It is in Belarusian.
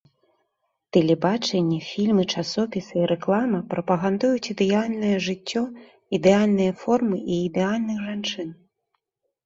Тэлебачанне, фільмы, часопісы і рэклама прапагандуюць ідэальнае жыццё, ідэальныя формы і ідэальных жанчын.